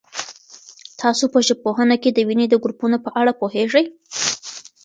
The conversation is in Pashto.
تاسو په ژوندپوهنه کي د وینې د ګروپونو په اړه پوهېږئ؟